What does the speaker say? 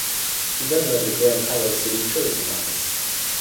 He then led the Gorontalo City Tourism Office.